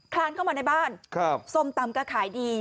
ลานเข้ามาในบ้านส้มตำก็ขายดี